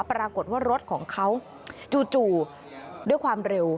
ปรากฏว่ารถของเขาจู่ด้วยความเร็ว